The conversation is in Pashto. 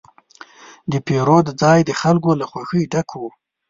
د پیرود ځای د خلکو له خوښې ډک و.